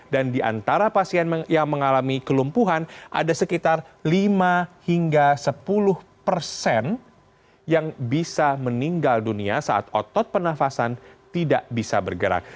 dan di antara pasien yang mengalami kelumpuhan ada sekitar lima hingga sepuluh persen yang bisa meninggal dunia saat otot penafasan tidak bisa bergerak